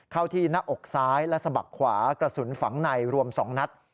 เข้าที่หน้าอกซ้ายและสะบักขวากระสุนฝังในรวม๒นัด